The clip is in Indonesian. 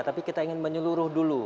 tapi kita ingin menyeluruh dulu